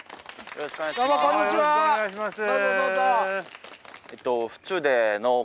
よろしくお願いします。